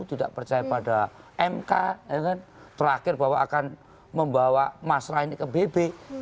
tidak percaya pada mk ya kan terakhir bahwa akan membawa masalah ini ke bb